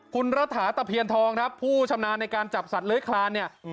คุณระถาตะเพียนทองครับผู้ชำนาญในการจับสัตว์เลื้อยคลานเนี่ย